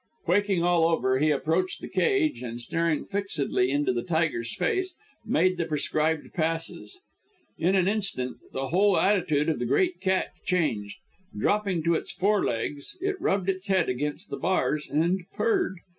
Quaking all over, he approached the cage, and staring fixedly into the tiger's face, made the prescribed passes. In an instant, the whole attitude of the great cat changed. Dropping on to its fore legs, it rubbed its head against the bars and purred.